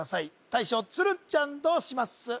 大将・鶴ちゃんどうします？